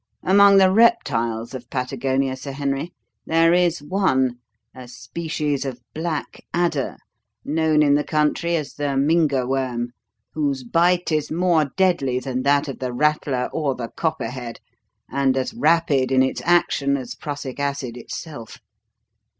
Among the reptiles of Patagonia, Sir Henry, there is one a species of black adder, known in the country as the Mynga Worm whose bite is more deadly than that of the rattler or the copperhead, and as rapid in its action as prussic acid itself.